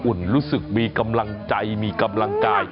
หมอกิตติวัตรว่ายังไงบ้างมาเป็นผู้ทานที่นี่แล้วอยากรู้สึกยังไงบ้าง